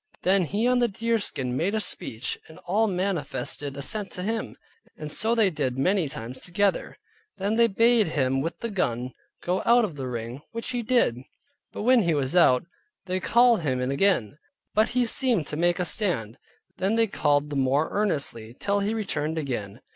Then he on the deerskin made a speech, and all manifested assent to it; and so they did many times together. Then they bade him with the gun go out of the ring, which he did. But when he was out, they called him in again; but he seemed to make a stand; then they called the more earnestly, till he returned again.